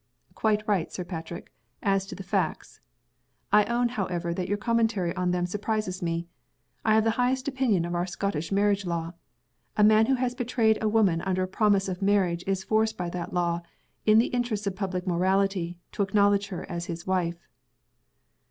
"Quite right, Sir Patrick, as to the facts. I own, however, that your commentary on them surprises me. I have the highest opinion of our Scottish marriage law. A man who has betrayed a woman under a promise of marriage is forced by that law (in the interests of public morality) to acknowledge her as his wife."